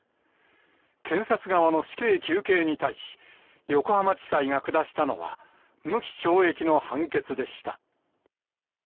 検察側の死刑求刑に対し、横浜地裁が下したのは無期懲役の判決でした。